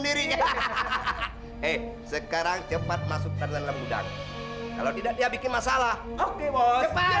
tarzan bangun tarzan bangun tarzan bangun tarzan bangun amu musim karcher karcher